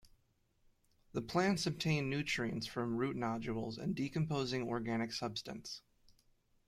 The plants obtain nutrients from root nodules and decomposing organic substance.